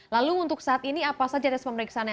lalu untuk saat ini apa saja tes pemeriksaannya